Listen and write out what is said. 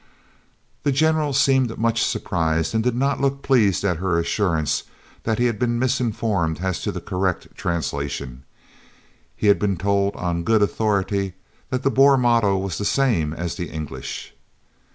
'" The General seemed much surprised and did not look pleased at her assurance that he had been misinformed as to the correct translation he had been told on "good authority" that the Boer motto was the same as the English.